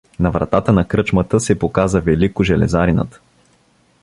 На вратата на кръчмата се показа Велико железаринът.